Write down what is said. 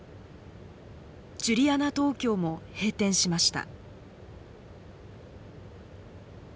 ジュリアナ東京も閉店しました。